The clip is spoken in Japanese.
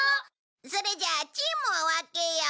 それじゃあチームを分けよう。